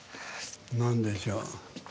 何でしょう。